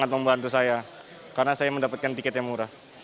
sangat membantu saya karena saya mendapatkan tiket yang murah